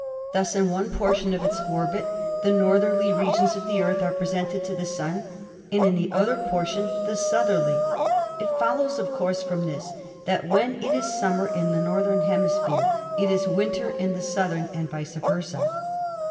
Thus in one portion of its orbit the northerly regions of the Earth are presented to the Sun and in the other portion the southerly. It follows, of course, from this that when it is summer in the northern hemisphere it is winter in the southern and vice versa.